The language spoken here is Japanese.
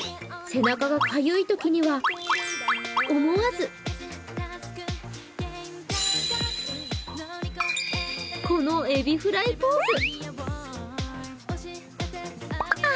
背中がかゆいときには思わず、このエビフライポーズ。